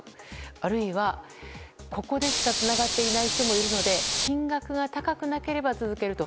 あるいは、ここでしかつながっていない人もいるので金額が高くなければ続けると。